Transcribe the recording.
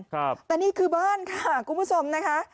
ครับแต่นี่คือบ้านค่ะคุณผู้ชมนะคะ